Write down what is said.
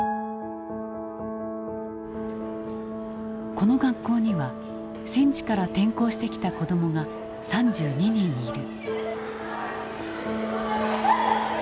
この学校には戦地から転校してきた子どもが３２人いる。